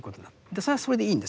それはそれでいいんです。